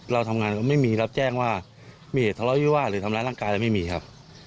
เราทำงานไม่มีรับแจ้งว่ามีเหตุธรรมหรือว่าหรือทำลายลักกาลยังไม่มีครับ